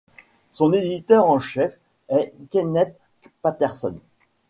Son éditeur en chef est Kenneth Paterson.